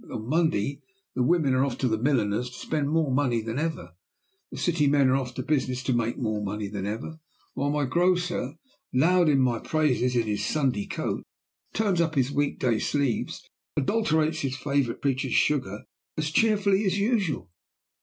On Monday the women are off to the milliners to spend more money than ever; the city men are off to business to make more money than ever while my grocer, loud in my praises in his Sunday coat, turns up his week day sleeves and adulterates his favorite preacher's sugar as cheerfully as usual!